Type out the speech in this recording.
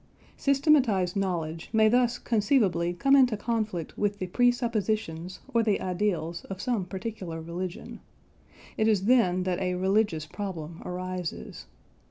Systematised knowledge may thus conceivably come into conflict with the presuppositions or the ideals of some particular religion. It is then that a "religious problem" arises.